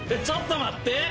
ちょっと待って。